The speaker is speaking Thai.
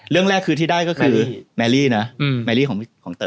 เรื่องแรกคือที่ได้ก็คือแมรี่นะแมรี่ของเตย